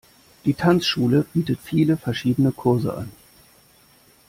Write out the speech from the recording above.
Die Tanzschule bietet viele verschiedene Kurse an.